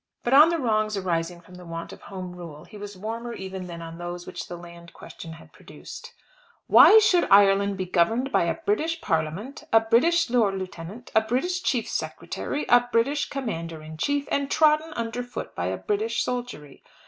But on the wrongs arising from the want of Home Rule he was warmer even than on those which the land question had produced. "Why should Ireland be governed by a British Parliament, a British Lord Lieutenant, a British Chief Secretary, a British Commander in Chief, and trodden under foot by a British soldiery?